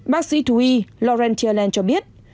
bác sĩ thùy laurentia land cho biết